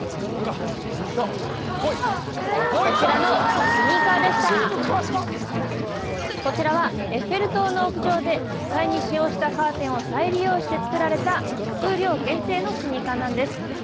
こちらのスニーカーでしたこちらはエッフェル塔の屋上で実際に使用したカーテンを再利用して作られた数量限定のスニーカーなんです